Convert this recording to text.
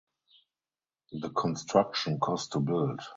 The construction cost to build.